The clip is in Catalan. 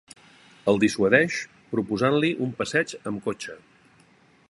El dissuadeix proposant-li un passeig amb cotxe.